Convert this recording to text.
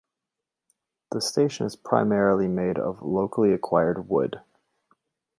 The station is primarily made of locally acquired wood.